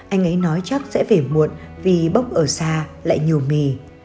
anh ấy nói chắc sẽ về muộn vì bốc ở xa lại nhồ mì